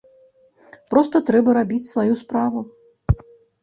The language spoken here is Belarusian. Проста трэба рабіць сваю справу.